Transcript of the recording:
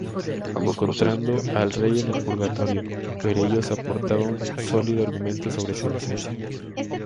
Encontrando al rey en el purgatorio, Perellós aportaba un sólido argumento sobre su inocencia.